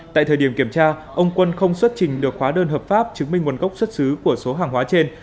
tại thời điểm kiểm tra ông quân không xuất trình được khóa đơn hợp pháp chứng minh nguồn gốc xuất xứ của số hàng hóa trên